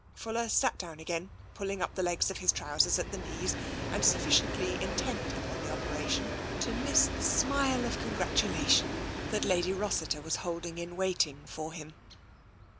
Fuller sat down again, pulling up the legs of his trousers at the knees, and sufficiently intent upon the operation to miss the smile of congratulation that Lady Rossiter was holding in waiting for him.